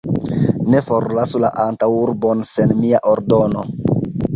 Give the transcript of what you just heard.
Ne forlasu la antaŭurbon sen mia ordono!